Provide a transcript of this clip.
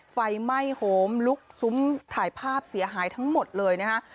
ไฟไหม้โหมลุกซุ้มถ่ายภาพเสียหายทั้งหมดเลยนะคะ